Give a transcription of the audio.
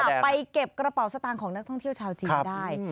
ไปเก็บกระเป๋าสตางค์ของนักท่องเที่ยวชาวจีนได้